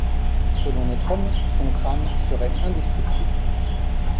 Selon notre homme, son crâne serait indestructible.